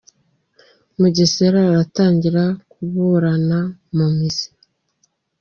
Mugesera aratangira kuburana mu mizi